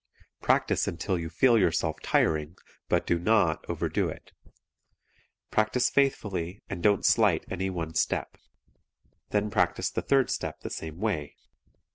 Practice until you feel yourself tiring, but DO NOT overdo it. Practice faithfully and don't slight any one step. Then practice the third step the same way.